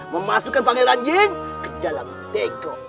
memasukkan pangir ranjing ke dalam dekong